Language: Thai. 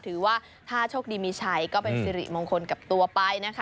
ถือว่าถ้าโชคดีมีชัยก็เป็นสิริมงคลกับตัวไปนะคะ